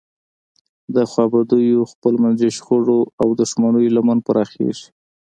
د خوابدیو، خپلمنځي شخړو او دښمنیو لمن پراخیږي.